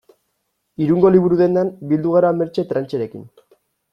Irungo liburu-dendan bildu gara Mertxe Trancherekin.